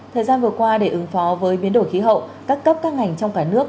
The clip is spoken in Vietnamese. thời gian vừa qua để ứng phó với biến đổi khí hậu các cấp các ngành trong cả nước